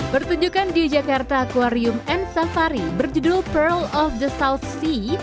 pertunjukan di jakarta aquarium and safari berjudul pearl of the south sea